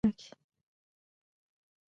د هند اداره د توقف فاصله د سرعت له مخې ټاکي